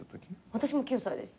私も９歳です。